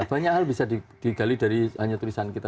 banyak hal bisa digali dari hanya tulisan kita